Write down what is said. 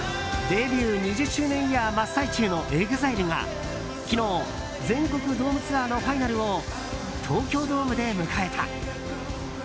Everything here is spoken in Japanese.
デビュー２０周年イヤー真っ最中のＥＸＩＬＥが昨日、全国ドームツアーのファイナルを東京ドームで迎えた。